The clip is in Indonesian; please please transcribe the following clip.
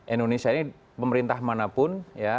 indonesia ini pemerintah manapun